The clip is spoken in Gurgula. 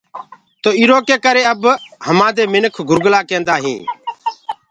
تو اِرو ڪري اب هماندي مِنکَ گُرگَلآ ڪيندآئينٚ۔